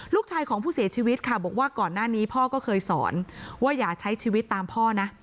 ลูกชายของผู้เสียชีวิตค่ะบอกว่าก่อนหน้านี้พ่อก็เคยสอนว่าอย่าใช้ชีวิตตามพ่อนะ